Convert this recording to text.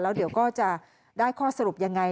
แล้วเดี๋ยวก็จะได้ข้อสรุปยังไง